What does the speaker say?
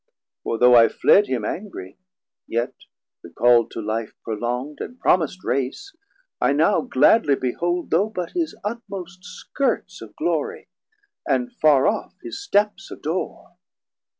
For though I fled him angrie, yet recall'd 330 To life prolongd and promisd Race, I now Gladly behold though but his utmost skirts Of glory, and farr off his steps adore.